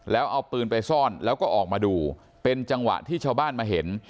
แล้วเอาปืนไปซ่อนแล้วก็ออกมาดูเป็นจังหวะที่ชาวบ้านมาเห็น